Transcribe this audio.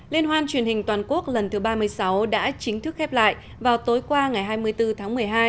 liên hoan truyền hình toàn quốc lần thứ ba mươi sáu đã chính thức khép lại vào tối qua ngày hai mươi bốn tháng một mươi hai